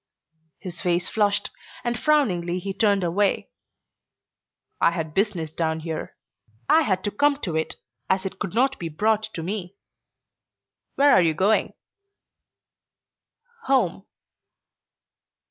His face flushed, and frowningly he turned away. "I had business down here. I had to come to it as it could not be brought to me. Where are you going?" "Home."